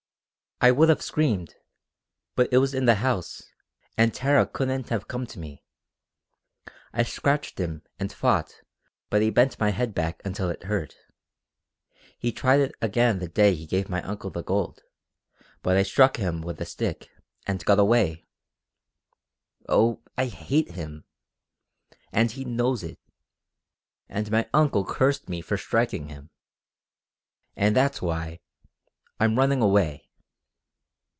"I would have screamed, but it was in the house, and Tara couldn't have come to me. I scratched him, and fought, but he bent my head back until it hurt. He tried it again the day he gave my uncle the gold, but I struck him with a stick, and got away. Oh, I hate him! And he knows it. And my uncle cursed me for striking him! And that's why ... I'm running away."